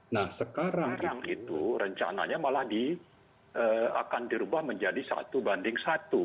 nah sekarang trump itu rencananya malah akan dirubah menjadi satu banding satu